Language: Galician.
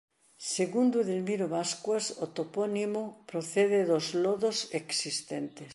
Segundo Edelmiro Bascuas o topónimo procede dos lodos existentes.